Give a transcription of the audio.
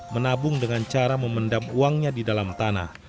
menabung dengan cara memendam uangnya di dalam tanah